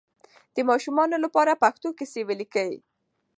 د ماشومانو لپاره پښتو کیسې ولیکئ.